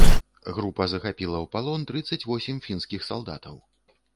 Група захапіла ў палон трыццаць восем фінскіх салдатаў.